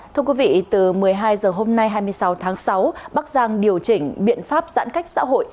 thưa quý vị từ một mươi hai h hôm nay hai mươi sáu tháng sáu bắc giang điều chỉnh biện pháp giãn cách xã hội